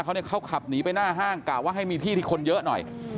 เขาขับหนีไปหน้าห้างกะว่าให้มีที่ที่คนเยอะหน่อย